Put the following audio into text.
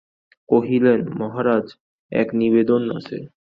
কহিলেন, মহারাজ, এক নিবেদন আছে।